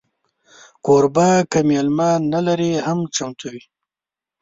کوربه که میلمه نه لري، هم چمتو وي.